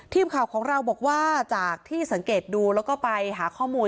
ทีมข่าวของเราบอกว่าจากที่สังเกตดูแล้วก็ไปหาข้อมูล